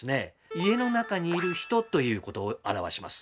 家の中にいる人ということを表します。